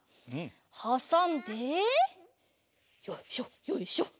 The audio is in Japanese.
はさんでよいしょよいしょ